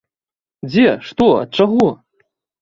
Дзе, што, ад чаго?